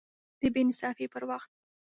د بې انصافۍ پر وخت